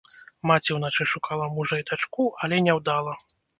Маці ўначы шукала мужа і дачку, але няўдала.